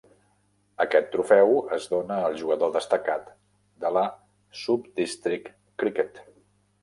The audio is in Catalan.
Aquest trofeu es dóna al jugador destacat de la Sub-District Cricket.